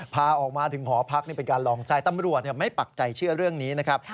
พาออกมาถึงหอพักนี่เป็นการลองใจตำรวจไม่ปักใจเชื่อเรื่องนี้นะครับ